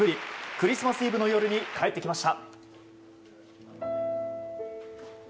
クリスマスイブの夜に帰ってきました。